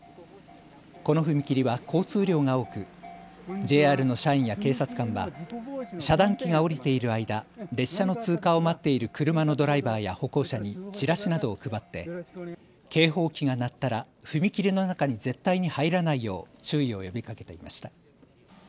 この踏切は交通量が多くＪＲの社員や警察官は遮断機が下りている間、列車の通過を待っている車のドライバーや歩行者にチラシなどを配って警報機が鳴ったら踏切の中に絶対に入らないよう注意を呼びかけていました。